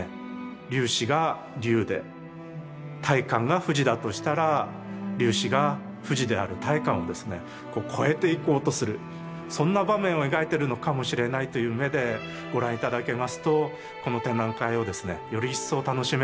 龍子が龍で大観が富士だとしたら龍子が富士である大観をですね超えていこうとするそんな場面を描いてるのかもしれないという目でご覧頂けますとこの展覧会をですねより一層楽しめるんではないかと思います。